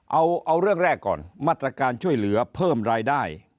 เอาเรื่องแรกก่อนมาตรการช่วยเหลือเพิ่มรายได้